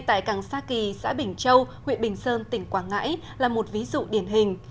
tại càng sa kỳ xã bình châu huyện bình sơn tỉnh quảng ngãi là một ví dụ điển hình